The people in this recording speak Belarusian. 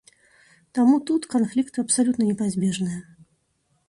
Таму тут канфлікты абсалютна непазбежныя.